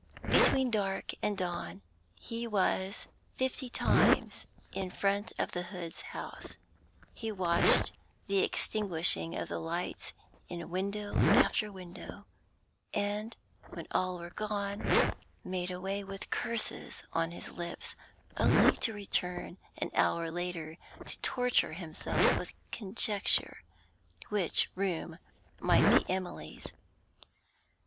Between dark and dawn he was fifty times in front of the Hoods' house; he watched the extinguishing of the lights in window after window, and, when all were gone, made away with curses on his lips, only to return an hour later, to torture himself with conjecture which room might be Emily's.